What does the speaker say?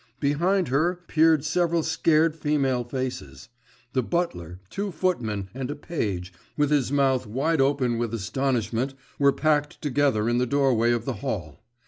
Behind her, peered several scared female faces. The butler, two footmen, and a page, with his mouth wide open with astonishment, were packed together in the doorway of the hall.